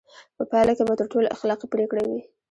په پایله کې به تر ټولو اخلاقي پرېکړه وي.